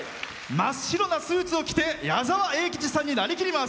真っ白なスーツを着て矢沢永吉さんになりきります。